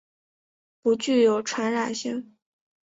不具有传染性。